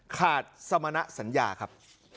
ขาดศรรณสัญญาครับ